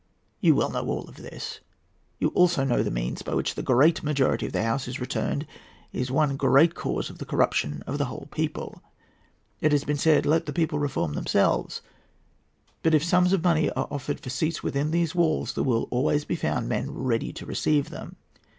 You well know all this. You also know that the means by which the great majority of the House is returned is one great cause of the corruption of the whole people. It has been said, 'Let the people reform themselves;' but if sums of money are offered for seats within these walls, there will always be found men ready to receive them.